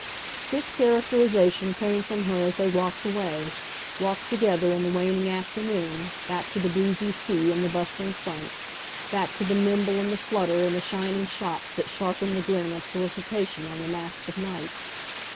This characterisation came from her as they walked away walked together, in the waning afternoon, back to the breezy sea and the bustling front, back to the nimble and the flutter and the shining shops that sharpened the grin of solicitation on the mask of night.